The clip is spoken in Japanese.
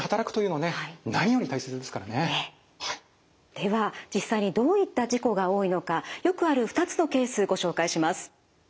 では実際にどういった事故が多いのかよくある２つのケースご紹介します。